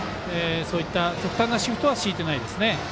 そういった極端なシフトは敷いていないですね。